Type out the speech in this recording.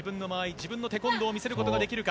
自分のテコンドーを見せることができるか。